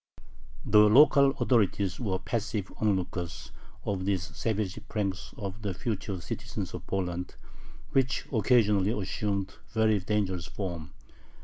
The local authorities were passive onlookers of these savage pranks of the future citizens of Poland, which occasionally assumed very dangerous forms.